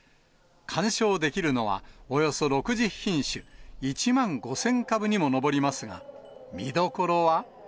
観賞できるのは、およそ６０品種、１万５０００株にも上りますが、見どころは。